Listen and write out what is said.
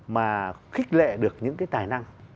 mà khích lệ được những cái tài năng